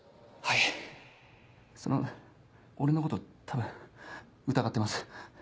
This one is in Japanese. はいその俺のこと多分疑ってます。